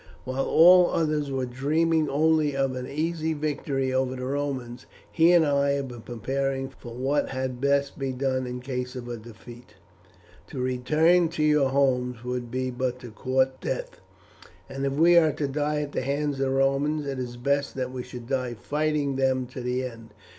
While all others were dreaming only of an easy victory over the Romans he and I have been preparing for what had best be done in case of defeat. To return to your homes would be but to court death, and if we are to die at the hands of the Romans it is best that we should die fighting them to the end.